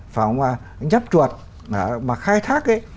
phải không ạ nhấp chuột mà khai thác ấy